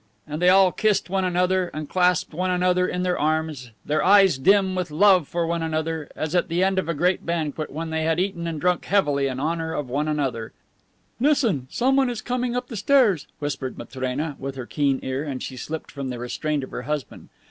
And they all kissed one another and clasped one another in their arms, their eyes dim with love one for another, as at the end of a great banquet when they had eaten and drunk heavily in honor of one another. * "What does it matter!" "Listen. Someone is coming up the stairs," whispered Matrena, with her keen ear, and she slipped from the restraint of her husband.